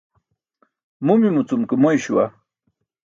Mumimu cum ke moy śuwa.